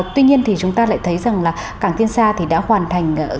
tuy nhiên thì chúng ta lại thấy rằng là cảng tiêm xa thì đã hoàn thành